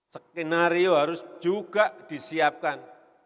skenario harus juga disiapkan